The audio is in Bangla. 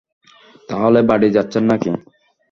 তাহলে, বাড়ি যাচ্ছেন নাকি?